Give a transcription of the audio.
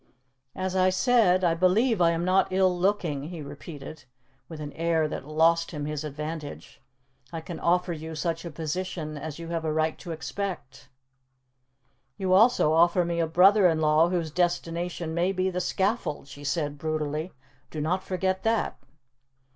"As I said, I believe I am not ill looking," he repeated, with an air that lost him his advantage. "I can offer you such a position as you have a right to expect." "You also offer me a brother in law whose destination may be the scaffold," she said brutally; "do not forget that."